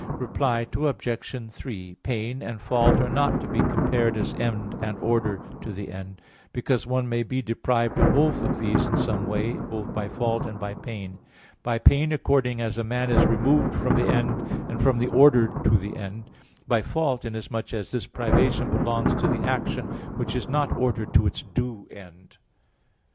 Reply Obj. 3: Pain and fault are not to be compared as end and order to the end; because one may be deprived of both of these in some way, both by fault and by pain; by pain, accordingly as a man is removed from the end and from the order to the end; by fault, inasmuch as this privation belongs to the action which is not ordered to its due end.